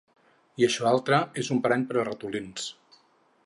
I això altre és un parany per a ratolins.